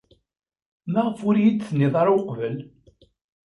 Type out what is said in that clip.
Maɣef ur iyi-d-tennid aya uqbel?